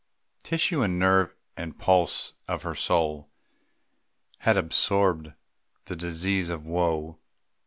Tissue and nerve and pulse of her soul Had absorbed the disease of woe.